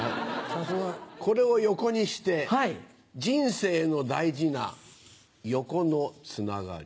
これを横にして人生の大事な横の繋がり。